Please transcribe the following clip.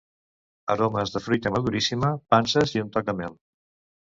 Aromes de fruita maduríssima, panses i un toc de mel.